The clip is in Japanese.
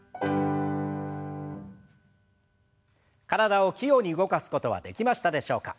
体を器用に動かすことはできましたでしょうか。